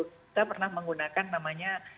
kita pernah menggunakan namanya